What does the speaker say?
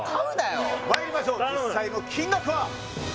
まいりましょう実際の金額は？